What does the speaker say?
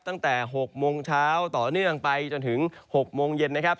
ตั้งแต่๖โมงเช้าต่อเนื่องไปจนถึง๖โมงเย็นนะครับ